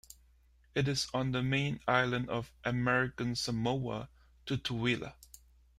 It is on the main island of American Samoa, Tutuila.